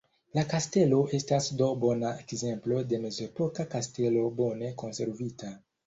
La kastelo estas do bona ekzemplo de mezepoka kastelo bone konservita.